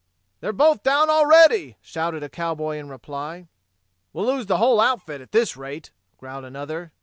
"They're both down, already!" shouted a cowboy in reply. "We'll lose the whole outfit at this rate," growled another.